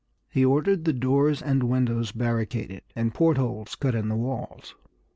He ordered the doors and windows barricaded, and port holes cut in the walls.